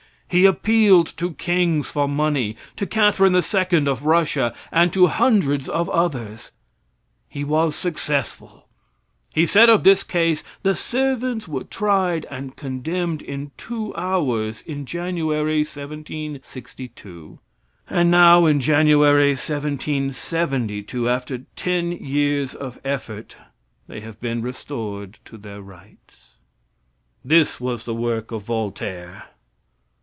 He appealed to kings for money, to Catherine II of Russia, and to hundreds of others. He was successful. He said of this case: The Sirvens were tried and condemned in two hours in January, 1762, and now in January, 1772, after ten years of effort, they have been restored to their rights." This was the work of Voltaire.